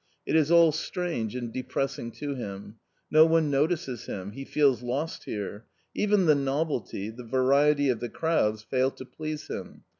It is all strange and depressing to him ; no one notices him ; he feels lost here ; even the novelty, the variety of the crowds fail to please him.